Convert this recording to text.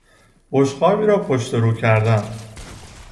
بشقابی را پشت و رو کردن